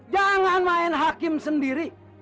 jangan main hakim sendiri